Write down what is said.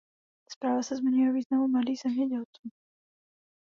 Zpráva se zmiňuje o významu mladých zemědělců.